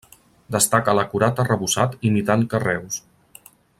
Destaca l'acurat arrebossat imitant carreus.